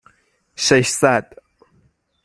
ششصد